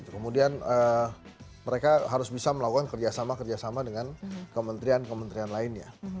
kemudian mereka harus bisa melakukan kerjasama kerjasama dengan kementerian kementerian lainnya